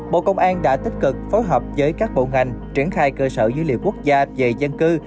bộ công an đã tích cực phối hợp với các bộ ngành triển khai cơ sở dữ liệu quốc gia về dân cư